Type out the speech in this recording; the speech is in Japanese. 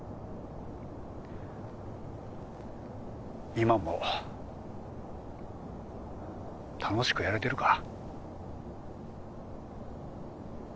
今も楽しくやれてるか？